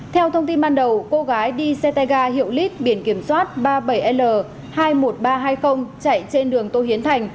theo thông tin ban đầu cô gái đi xe tay ga hiệu lit biển kiểm soát ba mươi bảy l hai mươi một nghìn ba trăm hai mươi chạy trên đường tô hiến thành